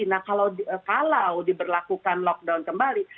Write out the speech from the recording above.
nah kalau diberlakukan lockdown kembali